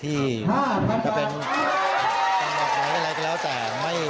ที่จะเป็นทางหลักหลายอะไรก็แล้วแต่